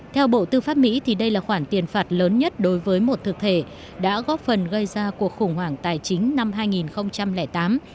theo bộ tư pháp mỹ thì đây là khoản tiền phạt lớn nhất đối với một thực thể đã góp phần gây ra cuộc khủng hoảng tài chính năm hai nghìn tám